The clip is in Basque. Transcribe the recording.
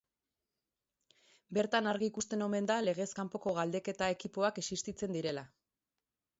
Bertan argi ikusten omen da legez kanpoko galdeketa ekipoak existitzen direla.